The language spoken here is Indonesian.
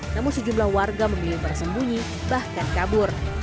namun sejumlah warga memilih bersembunyi bahkan kabur